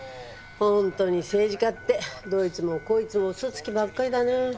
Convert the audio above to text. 本当に政治家ってどいつもこいつも嘘つきばっかりだね。